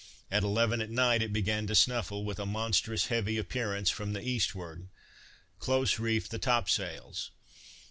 At eleven at night it began to snuffle, with a monstrous heavy appearance from the eastward. Close reefed the top sails.